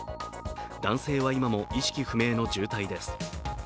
男性は今も意識不明の重体です。